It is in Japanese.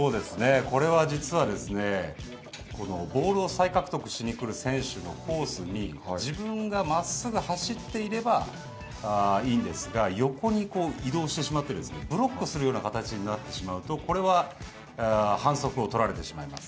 これは実は、ボールを再獲得に来る選手のコースに、自分がまっすぐ走っていればいいんですが、横に移動してしまってブロックするような形になってしまうと、これは反則を取られてしまいます。